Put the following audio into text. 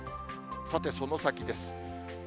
さて、その先です。